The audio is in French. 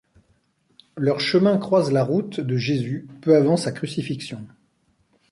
Leur chemin croise la route de Jésus peu avant sa crucifixion.